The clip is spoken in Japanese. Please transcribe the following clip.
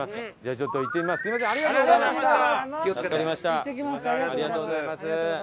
ありがとうございます。